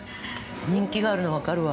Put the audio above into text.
人気があるの分かるわ。